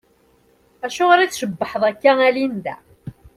Acuɣeṛ i tcebbḥeḍ akka a Linda?